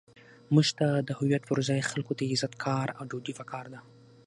موږ ته د هویت پر ځای خلکو ته عزت، کار، او ډوډۍ پکار ده.